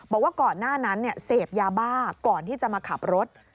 บอกว่าก่อนหน้านั้นเสพยาบ้าก่อนที่จะมาขับรถ